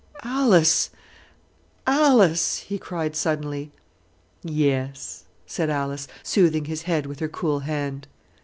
"Alice, Alice!" he cried suddenly. "Yes," said Alice, soothing his head with her cool hand.